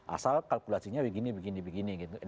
asal kalkulasinya begini begini gitu